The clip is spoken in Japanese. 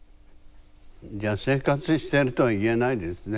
じゃあ生活してるとはいえないですね。